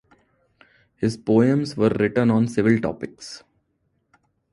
His first poems were written on "civil topics".